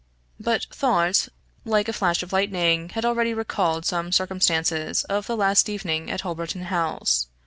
But thought, like a flash of lightning, had already recalled some circumstances of the last evening at Holberton House.